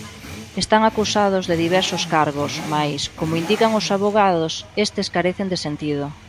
Están acusados de diversos cargos mais, como indican os avogados, estes carecen de sentido.